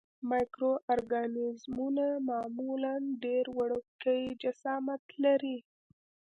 مایکرو ارګانیزمونه معمولاً ډېر وړوکی جسامت لري.